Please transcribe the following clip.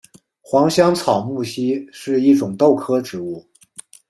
黄香草木樨是一种豆科植物。